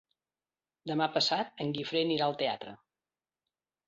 Demà passat en Guifré anirà al teatre.